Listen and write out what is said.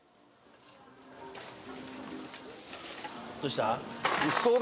どうした？